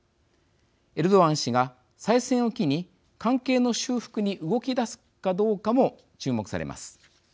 エルドアン氏が再選を機に関係の修復に動きだすかどうかも注目されます。